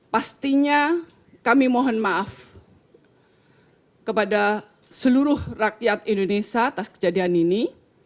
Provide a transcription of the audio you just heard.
pastinya kami mohon maaf kepada seluruh rakyat indonesia atas kejadian ini